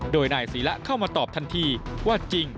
โดยนายศิราเข้ามาตอบทันที